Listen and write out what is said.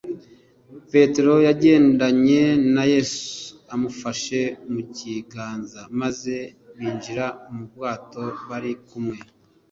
petero yagendanye na yesu, amufashe mu kiganza, maze binjira mu bwato bari kumwe